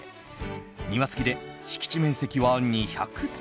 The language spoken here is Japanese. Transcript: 庭付きで敷地面積は２００坪。